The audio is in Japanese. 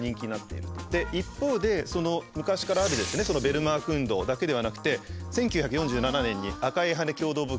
一方で昔からあるそのベルマーク運動だけではなくて１９４７年に「赤い羽根共同募金」